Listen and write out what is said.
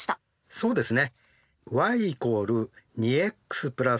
そうですね。